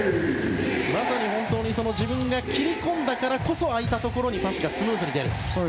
まさに自分が切り込んだからこそ空いたところにパスがスムーズに出る。